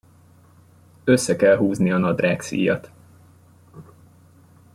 Össze kell húzni a nadrágszíjat.